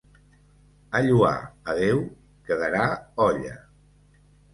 A lloar a Déu, que darà olla!